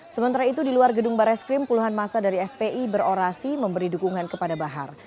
sementara itu di luar gedung barreskrim puluhan masa dari fpi berorasi memberi dukungan kepada bahar